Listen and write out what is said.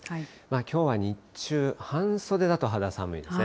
きょうは日中、半袖だと肌寒いですね。